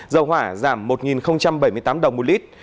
dầu hỏa giảm một bảy mươi tám đồng một lít